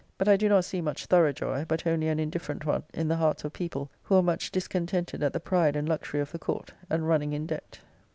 But I do not see much thorough joy, but only an indifferent one, in the hearts of people, who are much discontented at the pride and luxury of the Court, and running in debt.